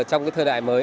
trong cái thời đại mới